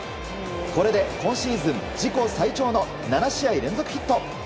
これで今シーズン自己最長の７試合連続ヒット。